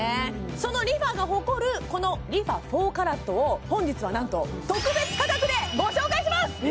そのＲｅＦａが誇るこのＲｅＦａ４ＣＡＲＡＴを本日はなんと特別価格でご紹介します